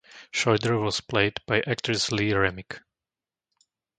Schreuder was played by actress Lee Remick.